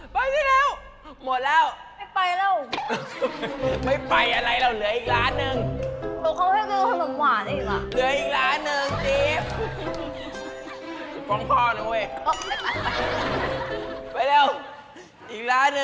โปรดติดตามตอนต่อไป